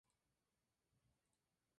Se la trata en peligro de extinción.